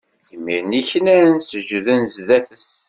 Imir-nni knan, seǧǧden zdat-s.